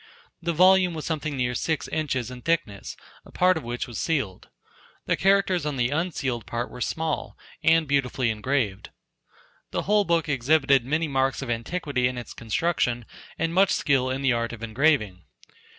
The volume was something near six inches in thickness, a part of which was sealed. The characters on the unsealed part were small, and beautifully engraved. The whole book exhibited many marks of antiquity in its construction and much skill in the art of engraving.